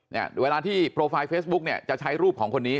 เนี่ยเวลาที่โปรไฟล์เฟซบุ๊กเนี่ยจะใช้รูปของคนนี้